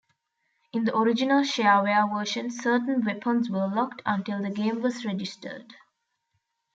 In the original shareware version certain weapons were locked until the game was registered.